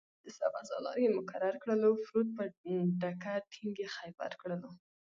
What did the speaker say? سپه سالار یې مقرر کړلو-پروت په ډکه ټینګ یې خیبر کړلو